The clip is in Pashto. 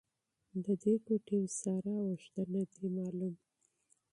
د دې کوټې پساره او اږده نه دې معلوم